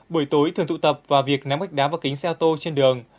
buổi tối thường tụ tập và việc ném gạch đá vào kính xe ô tô trên đường